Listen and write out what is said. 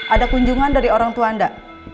ada kunjungan dari orang tua anda